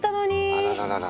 あらららら。